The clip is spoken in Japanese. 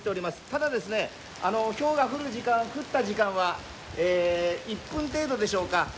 ただ、ひょうが降った時間は１分程度でしょうか。